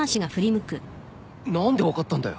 何で分かったんだよ？